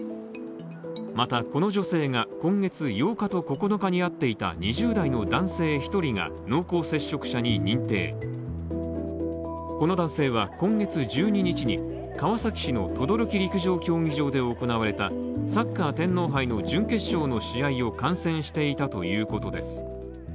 またこの女性が今月８日と９日に会っていた２０代の男性１人が濃厚接触者に認定、この男性は今月１２日に川崎市の等々力陸上競技場で行われたサッカー天皇杯の準決勝の試合を観戦していたということ。